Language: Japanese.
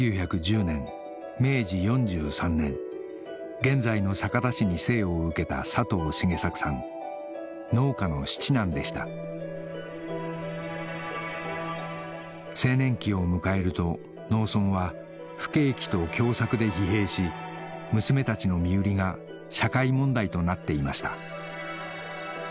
現在の酒田市に生を受けた青年期を迎えると農村は不景気と凶作で疲弊し娘たちの身売りが社会問題となっていました